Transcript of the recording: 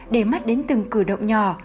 để mắt đến từng cử động nhỏ